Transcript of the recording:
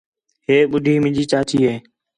ہے ٻُڈّھی مینجی چاچی ہے